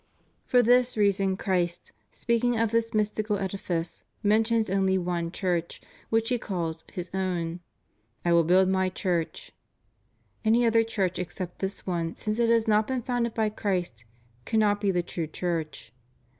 ^ For this reason Christ, speaking of this mystical edifice, men tions only one Church, which He calls His own — "I will build My Church"; any other Church except this one, since it has not been founded by Christ, cannot be the true Church.